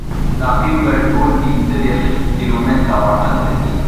ساقي وویل ټول پنځه دېرش کیلومتره واټن لري.